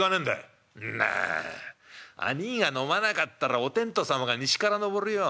「んな兄ぃが飲まなかったらおてんとさまが西から昇るよ。